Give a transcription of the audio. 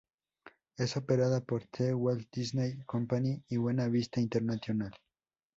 Es operada por The Walt Disney Company y Buena Vista International.